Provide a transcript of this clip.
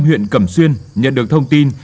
huyện cẩm xuyên nhận được thông tin